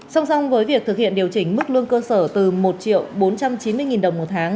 song song với việc thực hiện điều chỉnh mức lương cơ sở từ một triệu bốn trăm chín mươi đồng một tháng